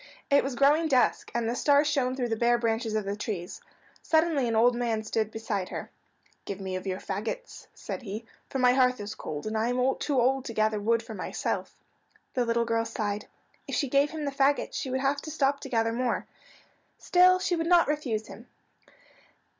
It was growing dusk, and the stars shown through the bare branches of the trees. Suddenly an old man stood beside her. "Give me of your fagots," said he, "for my hearth is cold, and I am too old to gather wood for myself." The little girl sighed. If she gave him the fagots she would have to stop to gather more. Still she would not refuse him.